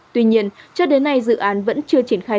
tuy nhiên cho đến nay dự án vẫn chưa triển khai